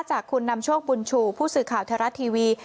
จากคุณนำโชคบุญชูผู้สื่อข่าวไทยรัฐทีวี